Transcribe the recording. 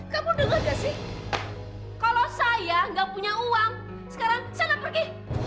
kamu dengar gak sih kalau saya nggak punya uang sekarang saya nggak pergi